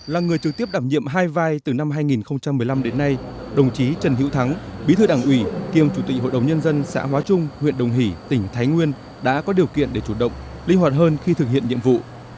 là người trực tiếp đảm nhiệm hai vai từ năm hai nghìn một mươi năm đến nay đồng chí trần hữu thắng bí thư đảng ủy kiêm chủ tịch hội đồng nhân dân xã hóa trung huyện đồng hỷ tỉnh thái nguyên đã có điều kiện để chủ động linh hoạt hơn khi thực hiện nhiệm vụ